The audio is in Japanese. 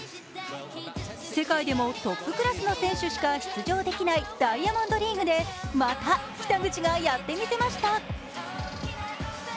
世界でもトップクラスの選手しか出場できないダイヤモンドリーグでまた北口がやってみせました。